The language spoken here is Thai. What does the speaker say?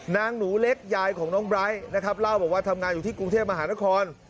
นางหนูเล็กยายของน้องไบร์ทนะครับเล่าบอกว่าทำงานอยู่ที่กรุงเทพมหานคร